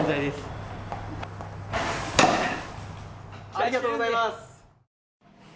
ありがとうございます。